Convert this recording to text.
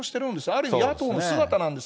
ある意味野党の姿なんです。